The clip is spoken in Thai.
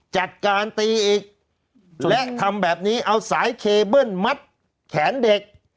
จัดการตีอีกและทำแบบนี้เอาสายเคเบิ้ลมัดแขนเด็ก